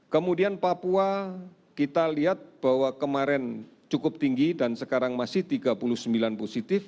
kemudian papua kita lihat bahwa kemarin cukup tinggi dan sekarang masih tiga puluh sembilan positif